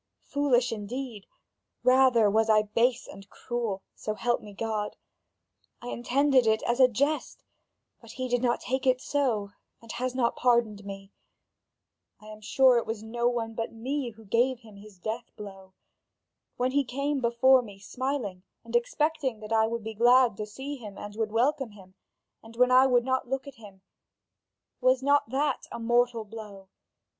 Foolish indeed? Rather was I base and cruel, so help me God. I intended it as a jest, but he did not take it so, and has not pardoned me. I am sure it was no one but me who gave him his death blow. When he came before me smiling and expecting that I would be glad to see him and would welcome him, and when I would not look at him, was not that a mortal blow?